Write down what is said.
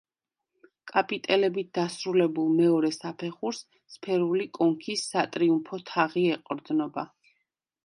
კაპიტელებით დასრულებულ მეორე საფეხურს სფერული კონქის სატრიუმფო თაღი ეყრდნობა.